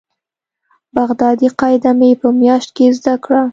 بغدادي قاعده مې په مياشت کښې زده کړه.